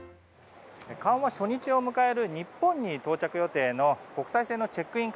緩和初日を迎える日本に到着予定の国際線のチェックイン